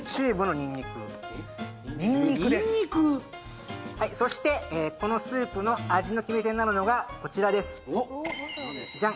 にんにくそしてこのスープの味の決め手になるのがこちらですジャン！